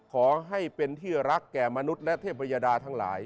ขอให้เป็นที่รักแก่มนุษย์และเทพยดาทั้งหลาย